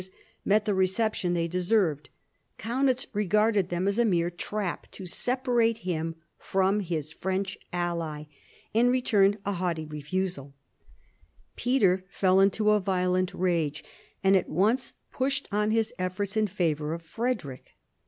These overtures met the reception they deserved. Kaunitz regarded them as a mere trap to separate him from his French ally, and returned a haughty refusal ; Peter fell into a violent rage, and at once pushed on his efforts in favour of Frederick.